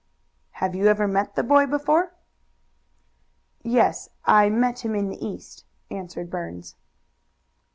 "Have you ever met the boy before?" "Yes; I met him in the East," answered Burns.